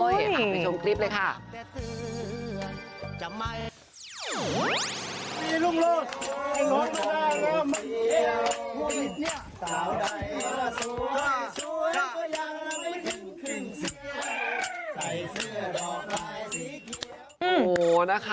ไปชมคลิปเลยค่ะ